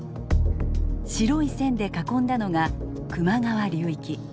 白い線で囲んだのが球磨川流域。